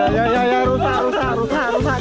ya ya ya rusak rusak rusak rusak